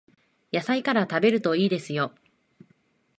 野菜から食べるといいですよ